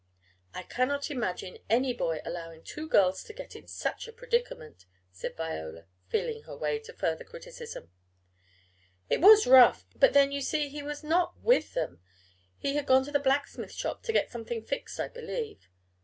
"I cannot imagine any boy allowing two girls to get in such a predicament," said Viola, "feeling her way" to further criticism. "It was rough, but then you see he was not with them, he had gone to the blacksmith shop to get something fixed, I believe."